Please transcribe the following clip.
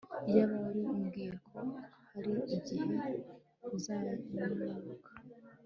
iyaba wari umbwiye ko hari igihe uzanyibuka